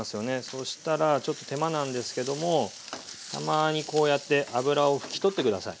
そしたらちょっと手間なんですけどもたまにこうやって脂を拭き取って下さい。